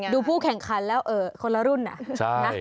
ดูผู้แข่งคันแล้วเออคนละรุ่นอ่ะ